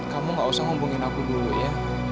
kamu gak usah hubungin aku dulu ya